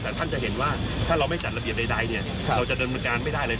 แต่ท่านจะเห็นว่าถ้าเราไม่จัดระเบียบใดเนี่ยเราจะดำเนินการไม่ได้เลย